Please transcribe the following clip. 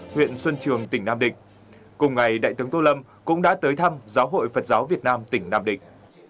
huyện xuân trường tỉnh nam định cùng ngày đại tướng tô lâm cũng đã tới thăm giáo hội phật giáo việt nam tỉnh nam định